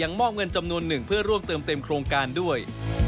มอบเงินจำนวนหนึ่งเพื่อร่วมเติมเต็มโครงการด้วย